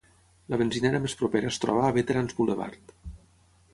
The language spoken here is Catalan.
La benzinera més propera es troba a Veterans Boulevard.